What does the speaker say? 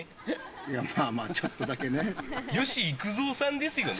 いやまあまあちょっとだけね吉幾三さんですよね？